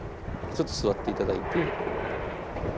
ちょっと座っていただいて。